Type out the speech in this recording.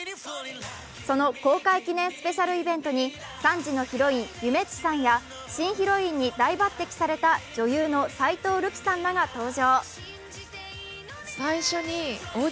その公開記念スペシャルイベントに３時のヒロイン・ゆめっちさんや新ヒロインに大抜擢された女優の斎藤瑠希さんらが登場。